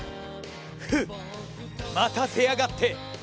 フッ待たせやがって！